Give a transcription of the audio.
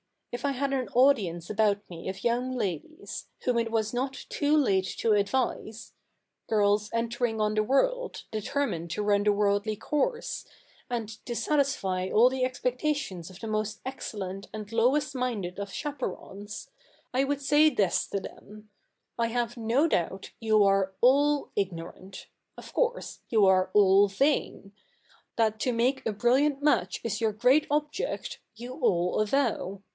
If I had an audience about me of young ladies, whom it was not too late to advise — girls entering on the world, determined to run the worldly course, and to satisfy all the expectations of the most excellent and lowest minded of chaperons, I would say this to them :— I have no doubt you are all ignorant ; of course you are all vain. That to make a briUiant match is your great object, you all avow.